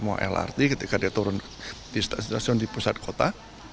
mau lrt ketika dia turun di stasiun di pusat kota